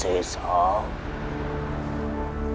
tenanglah keponakan ku